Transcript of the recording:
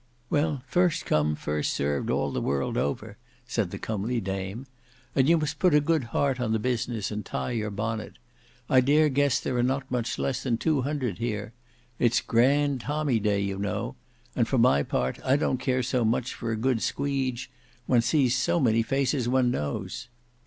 "Well, 'first come, first served,' all the world over," said the comely dame. "And you must put a good heart on the business and tie your bonnet. I dare guess there are not much less than two hundred here. It's grand tommy day you know. And for my part I don't care so much for a good squeedge; one sees so many faces one knows."